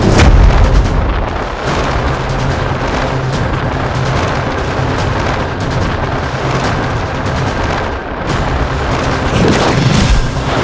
jeng si mek